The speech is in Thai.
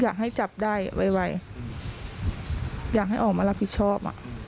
อยากให้จับได้ไวอยากให้ออกมารับผิดชอบอ่ะ